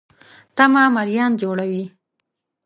تمه مریان جوړوي.